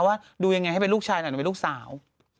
ว่าดูอย่างไรให้เป็นลูกชายอาจจะเป็นลูกสาว